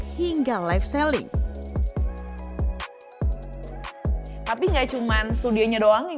setelah pencari jasa ekspedisi jasa ekspedisi ini diberi keuntungan untuk mencoba menggunakan jasa pengiriman mereka